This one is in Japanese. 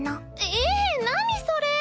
ええ何それ？